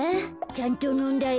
ちゃんとのんだよ。